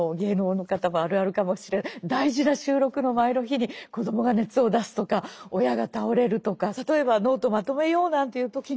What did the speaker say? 大事な収録の前の日に子どもが熱を出すとか親が倒れるとか例えばノートをまとめようなんていう時にですね